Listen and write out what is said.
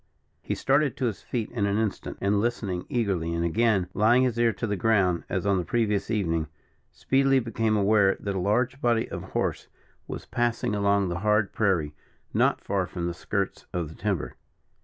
He started to his feet in an instant, and listening eagerly, and again laying his ear to the ground, as on the previous evening, speedily became aware that a large body of horse was passing along the hard prairie, not far from the skirts of the timber.